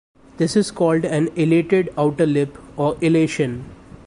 This is called an alated outer lip or alation.